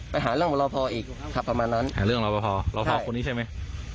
ไปหาเรื่องของรอพออีกครับประมาณนั้นหาเรื่องรอปภรอพอคนนี้ใช่ไหม